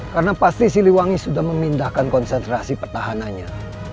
karena pasti siliwangi sudah memindahkan konsentrasi pertahanannya